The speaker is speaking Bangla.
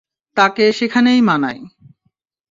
তাকে সেখানেই মানায়।